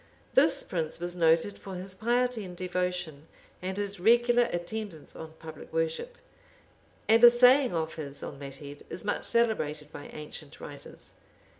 This prince was noted for his piety and devotion, and his regular attendance on public worship; and a saying of his on that head is much celebrated by ancient writers.